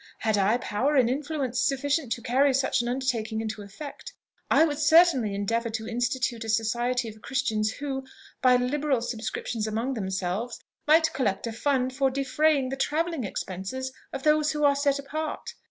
Had I power and influence sufficient to carry such an undertaking into effect, I would certainly endeavour to institute a society of Christians, who, by liberal subscriptions among themselves, might collect a fund for defraying the travelling expenses of those who are set apart.